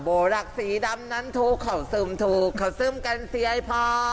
หัวแลกสีดำนั้นถูกเขาซึมถูกเขาซึมกันเสียพ่อ